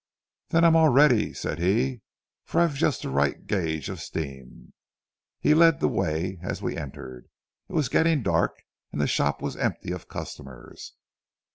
"'Then I'm all ready,' said he, 'for I've just the right gauge of steam.' He led the way as we entered. It was getting dark and the shop was empty of customers.